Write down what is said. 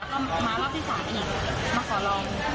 ก็มารอบที่๓อีกมาขอลอง